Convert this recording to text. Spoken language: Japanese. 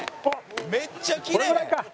「めっちゃきれい！」